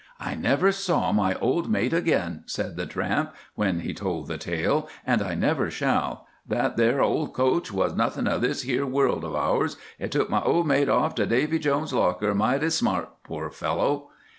'I never saw my old mate again,' said the tramp, when he told the tale, 'and I never shall—that there old coach was nothing of this here world of ours, it took my old mate off to Davy Jones's locker mighty smart, poor fellow.